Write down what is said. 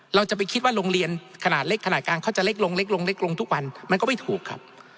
เราจะไปคิดว่าโรงเรียนขนาดเล็กขนาดกลางเขาจะเล็กลงเล็กลงเล็กลงทุกวันมันก็ไม่ถูกครับ